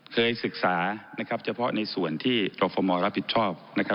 เคยศึกษานะครับเฉพาะในส่วนที่กรฟมรับผิดชอบนะครับ